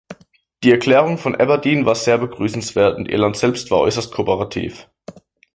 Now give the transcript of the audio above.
Die Erklärung von Aberdeen war sehr begrüßenswert, und Irland selbst war äußerst kooperativ.